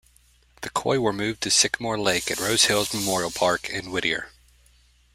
The koi were moved to Sycamore Lake at Rose Hills Memorial Park in Whittier.